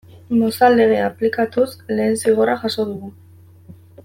Mozal Legea aplikatuz lehen zigorra jaso dugu.